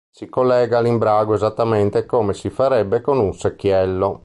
Si collega all'imbrago esattamente come si farebbe con un secchiello.